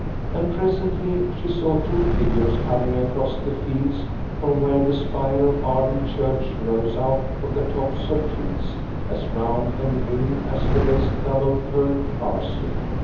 And presently she saw two figures coming across the fields from where the spire of Arden Church rose out of the tops of trees as round and green as the best double curled parsley.